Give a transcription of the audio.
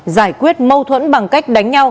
giải quyết mâu thuẫn bằng cách đánh nhau